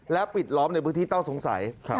และปิดล้อมในพืชที่เต้าสงสัย